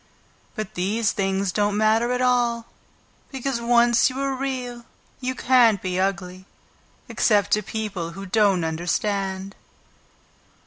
But these things don't matter at all, because once you are Real you can't be ugly, except to people who don't understand."